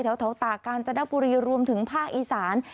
แถวเทาตาการจรรยาบรีรวมถึงภาคอีสาน